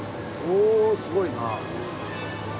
おすごいな。